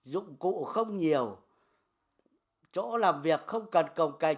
dụng cụ không nhiều chỗ làm việc không cần cồng cành